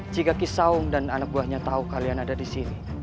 jika kisahung dan anak buahnya tahu kalian ada di sini